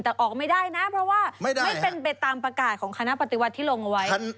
แต่ออกไม่ได้นะเพราะว่าไม่เป็นไปตามประกาศของคณะปฏิวัติที่ลงเอาไว้